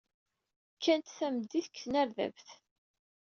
Kkant tameddit deg tnerdabt.